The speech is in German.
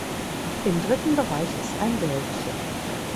Im dritten Bereich ist ein Wäldchen.